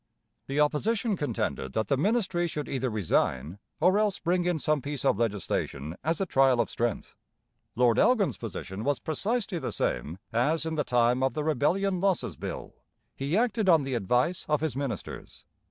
The opposition contended that the ministry should either resign, or else bring in some piece of legislation as a trial of strength. Lord Elgin's position was precisely the same as in the time of the Rebellion Losses Bill. He acted on the advice of his ministers.